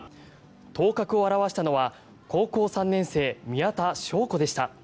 頭角を現したのは高校３年生、宮田笙子でした。